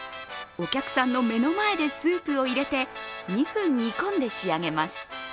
お客さんの目の前でスープを入れて２分煮込んで仕上げます。